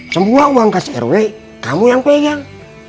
semua uang kas rw kamu yang pegang